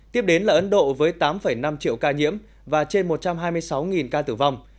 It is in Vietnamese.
tiếp đến là ấn độ với tám năm triệu ca nhiễm và trên một trăm hai mươi sáu ca tử vong